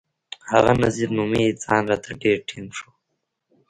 هغه نذير نومي ځان راته ډېر ټينګ ښوده.